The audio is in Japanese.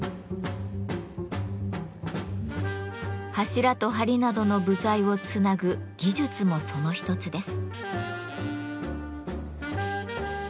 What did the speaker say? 柱と梁などの部材をつなぐ技術もその一つです。